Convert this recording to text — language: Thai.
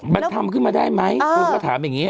มันทำขึ้นมาได้ไหมคนก็ถามอย่างนี้